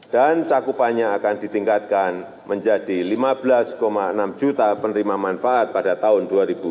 dan cakupannya akan ditingkatkan menjadi lima belas enam juta penerima manfaat pada tahun dua ribu sembilan belas